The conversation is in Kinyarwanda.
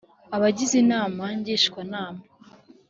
Abagize inama ngishwanama